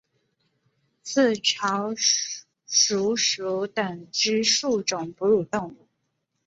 刺巢鼠属等之数种哺乳动物。